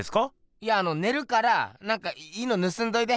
いやあのねるからなんかいいのぬすんどいて！